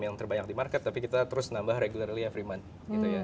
yang terbanyak di market tapi kita terus nambah regulary averyment gitu ya